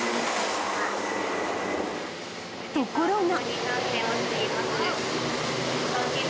ところが。